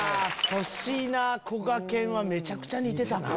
粗品こがけんはめちゃくちゃ似てたな。